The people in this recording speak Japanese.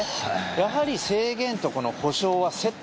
やはり、制限と補償はセット。